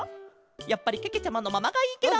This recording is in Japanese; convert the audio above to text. やっぱりけけちゃまのままがいいケロ！